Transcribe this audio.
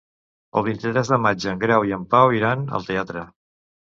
El vint-i-tres de maig en Grau i en Pau iran al teatre.